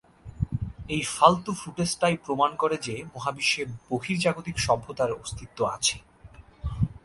এই ফালতু ফুটেজটাই প্রমাণ করে যে, মহাবিশ্বে বহির্জাগতিক সভ্যতার অস্তিত্ব আছে।